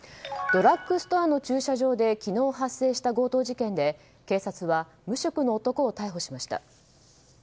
ドラッグストアの駐車場で昨日発生した強盗事件で警察は無職の男を逮捕しました。